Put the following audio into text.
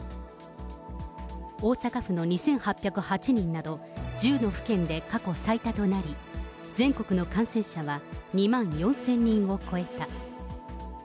大阪府の２８０８人など、１０の府県で過去最多となり、全国の感染者は、２万４０００人を超えた。